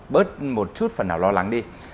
bớt một chút phần nào lo lắng đi